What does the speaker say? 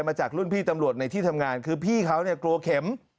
มาจากรุ่นพี่ตำรวจในที่ทำงานคือพี่เขาเนี่ยกลัวเข็ม